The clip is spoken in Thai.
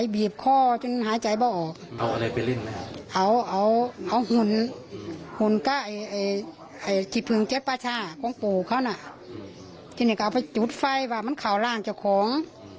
ทีนี้ก็เอาไปจุดไฟว่ามันเข้าร่างเจ้าของ